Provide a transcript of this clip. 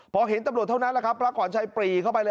พอเห็นตำรวจเท่านั้นแหละครับพระขวัญชัยปรีเข้าไปเลย